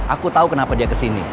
aku tahu kenapa dia kesini